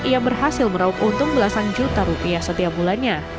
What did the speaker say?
ia berhasil meraup untung belasan juta rupiah setiap bulannya